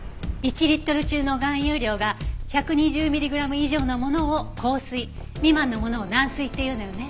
１リットル中の含有量が１２０ミリグラム以上のものを硬水未満のものを軟水って言うのよね。